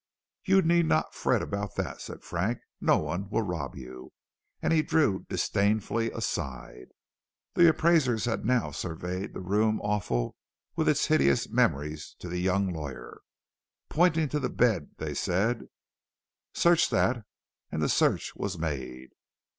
"You need not fret about that," said Frank. "No one will rob you," and he drew disdainfully aside. The Appraisers had now surveyed the room awful with hideous memories to the young lawyer. Pointing to the bed, they said: "Search that," and the search was made.